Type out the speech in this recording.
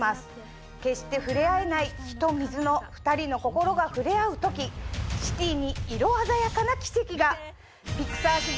決して触れ合えない火と水の２人の心が触れ合う時シティに色鮮やかな奇跡が！